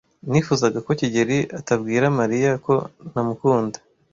Nifuzaga ko kigeli atabwira Mariya ko ntamukunda.